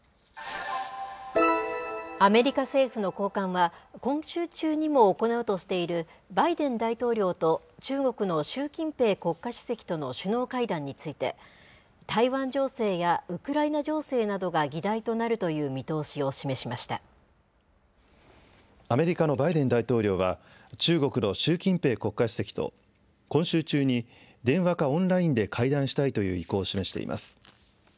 アメリカ政府の高官は、今週中にも行うとしているバイデン大統領と中国の習近平国家主席との首脳会談について、台湾情勢やウクライナ情勢などが議題となるという見通しを示しまアメリカのバイデン大統領は、中国の習近平国家主席と、今週中に電話かオンラインで会談したいという意向を示しています。